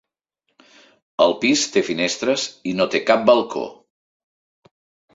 El pis té finestres i no té cap balcó.